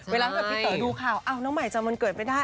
เวลาแบบพี่เต๋อดูข่าวอ้าวน้องใหม่จำวันเกิดไม่ได้